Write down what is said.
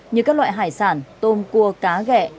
như các loại hải sản tôm cua cá ghẹ